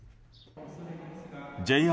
ＪＲ